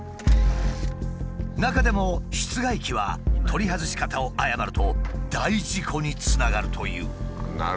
中でも室外機は取り外し方を誤ると大事故につながるという。